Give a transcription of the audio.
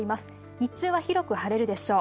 日中は広く晴れるでしょう。